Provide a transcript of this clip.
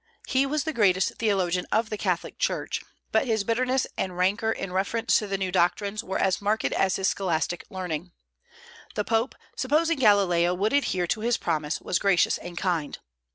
He was the greatest theologian of the Catholic Church; but his bitterness and rancor in reference to the new doctrines were as marked as his scholastic learning. The Pope, supposing that Galileo would adhere to his promise, was gracious and kind.